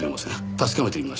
確かめてみましょう。